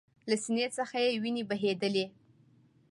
له سینې څخه یې ویني بهېدلې